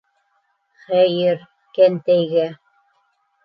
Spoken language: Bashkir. Хәйер, кәнтәйгә...